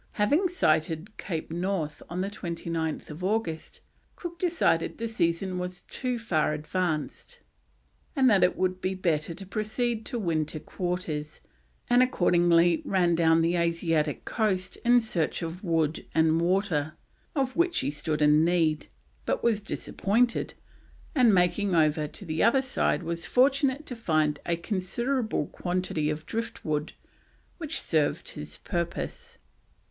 Having sighted Cape North on 29th August, Cook decided the season was too far advanced, and that it would be better to proceed to winter quarters, and accordingly ran down the Asiatic coast in search of wood and water, of which he stood in need; but was disappointed, and making over to the other side was fortunate to find a considerable quantity of driftwood which served his purpose.